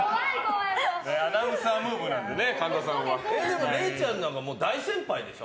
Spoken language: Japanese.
アナウンサームーブなので神田さんは。れいちゃんなんか大先輩でしょ。